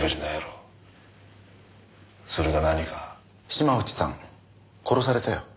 島内さん殺されたよ。